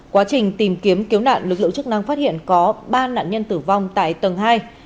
quá trình tìm kiếm cứu nạn lực lượng chức năng phát hiện có ba nạn nhân tử vong tại tầng hai